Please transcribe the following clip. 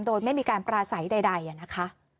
โดยไม่มีการปราศัยใดนะคะ